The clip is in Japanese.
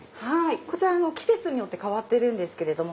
こちら季節によって替わってるんですけれども。